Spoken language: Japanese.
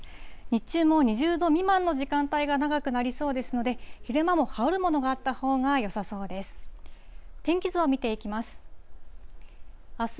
日中も２０度未満の時間帯が長くなりそうですので、昼間も羽織るものがあったほうがよさそうです。